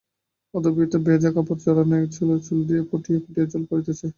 অর্ধাবৃত দেহে ভিজা কাপড় জড়ানো, এলােচুল দিয়া ফোঁটা ফোঁটা করিয়া জল পড়িতেছে।